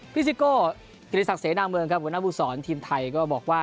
ซิโก้กิริสักเสนาเมืองครับหัวหน้าผู้สอนทีมไทยก็บอกว่า